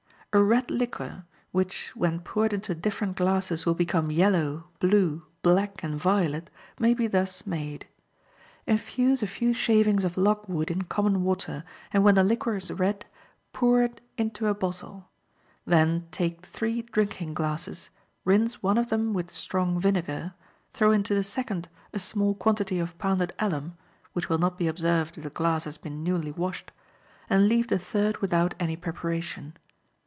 —A red liquor, which, when poured into different glasses, will become yellow, blue, black, and violet, may be thus made: Infuse a few shavings of logwood in common water, and when the liquor is red, pour it into a bottle; then take three drinking glasses, rinse one of them with strong vinegar, throw into the second a small quantity of pounded alum, which will not be observed if the glass has been newly washed, and leave the third without any preparation.